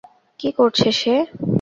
কী করছে সে?